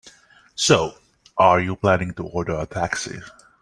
So, are you planning to order a taxi?